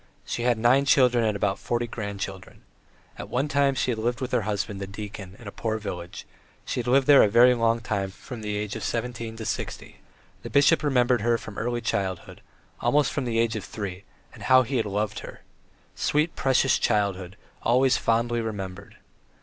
She had nine children and about forty grandchildren. At one time, she had lived with her husband, the deacon, in a poor village; she had lived there a very long time from the age of seventeen to sixty. The bishop remembered her from early childhood, almost from the age of three, and how he had loved her! Sweet, precious childhood, always fondly remembered!